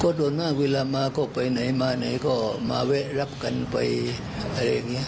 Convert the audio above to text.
ส่วนมากเวลามาก็ไปไหนมาไหนก็มาแวะรับกันไปอะไรอย่างนี้